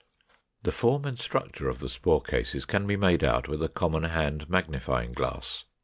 488. The form and structure of the spore cases can be made out with a common hand magnifying glass.